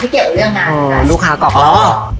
ใช่อย่างไงนึกค้าก็อบ